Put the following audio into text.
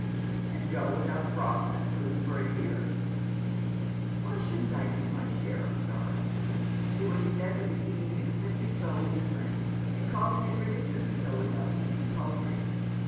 " And go without frocks and food for a year ?"" Why shouldn't I do my share of starving ? It would be better than eating expensive soles in Lent, and calling it religion to go without meat and poultry.